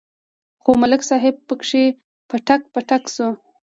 خو ملک صاحب پکې پټک پټک شو.